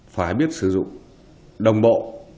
phải biết sử dụng đồng bộ